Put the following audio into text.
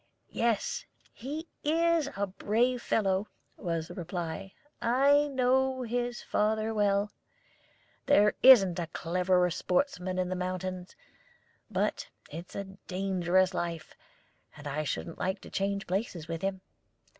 "Yes, he is a brave fellow," was the reply. "I know his father well. There isn't a cleverer sportsman in the mountains; but it's a dangerous life, and I shouldn't like to change places with him.